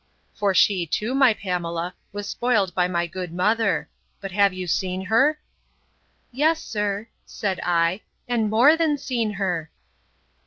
—For, she too, my Pamela, was spoiled by my good mother!—But have you seen her? Yes, sir, said I, and more than seen her!